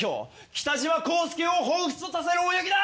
北島康介をほうふつとさせる泳ぎだ！